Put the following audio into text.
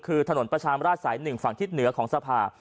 คือถนนประชามราชสาย๑ฝั่งทิศเหนือของสภา